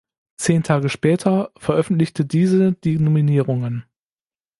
Zehn Tage später veröffentlichte diese die Nominierungen.